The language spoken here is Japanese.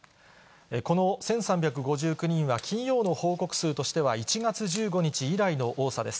この１３５９人は、金曜の報告数としては１月１５日以来の多さです。